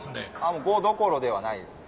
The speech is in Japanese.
もう５どころではないですね。